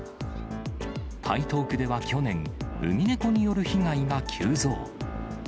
台東区では去年、ウミネコによる被害が急増。